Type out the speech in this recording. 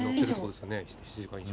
７時間以上。